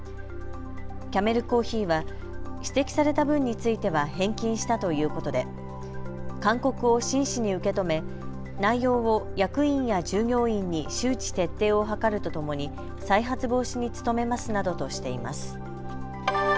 キャメル珈琲は指摘された分については返金したということで勧告を真摯に受け止め内容を役員や従業員に周知徹底を図るとともに再発防止に努めますなどとしています。